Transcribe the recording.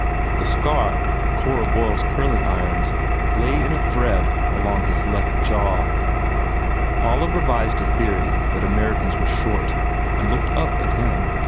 The scar of Cora Boyle s curling irons lay in a thread along his left jaw. Olive revised a theory that Amer icans were short and looked up at him.